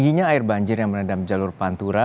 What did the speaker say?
terus upaya yang dilakukan pantura